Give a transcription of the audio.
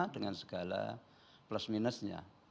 dengan segala plus minusnya